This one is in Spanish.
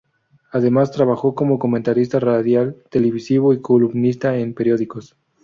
Además trabajó como comentarista radial, televisivo y columnista en periódicos.